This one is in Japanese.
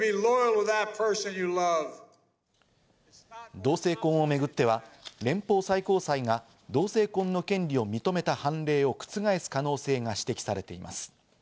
同性婚をめぐっては、連邦最高裁が同性婚の権利を認めた判例を覆す可能性が指摘されています。